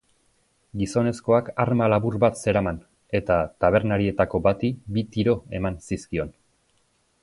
Gizonezkoak arma labur bat zeraman, eta tabernarietako bati bi tiro eman zizkion.